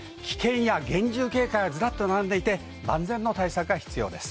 厳重警戒がずらっと並んでいて、万全な対策が必要です。